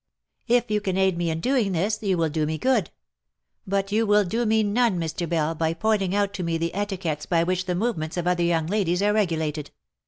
If you can aid me in doing this, you will do me good ; but you will do me none, Mr. Bell, by pointing out to me the etiquettes by which the movements of other young ladies are regulated.